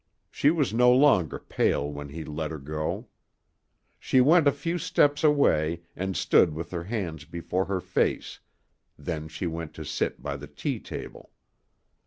She was no longer pale when he let her go. She went a few steps away and stood with her hands before her face, then she went to sit by the tea table.